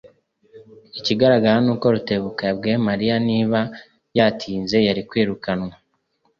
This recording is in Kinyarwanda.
Ikigaragara ni uko Rutebuka yabwiye Mariya niba yaratinze, yari kwirukanwa.